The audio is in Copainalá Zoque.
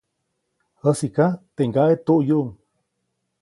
Jäsiʼka, teʼ ŋgaʼe tuʼyuʼuŋ.